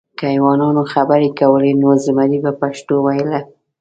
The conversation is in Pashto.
که حیواناتو خبرې کولی، نو زمری به پښتو ویله .